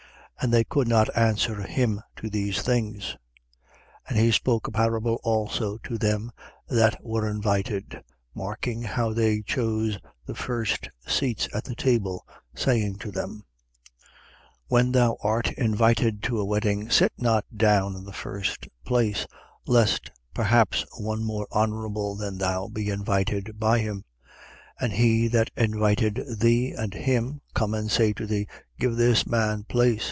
14:6. And they could not answer him to these things. 14:7. And he spoke a parable also to them that were invited, marking how they chose the first seats at the table, saying to them: 14:8. When thou art invited to a wedding, sit not down in the first place, lest perhaps one more honourable than thou be invited by him: 14:9. And he that invited thee and him, come and say to thee: Give this man place.